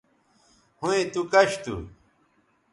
ھویں تو کش تھو